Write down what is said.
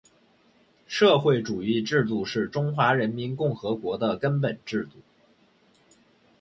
社会主义制度是中华人民共和国的根本制度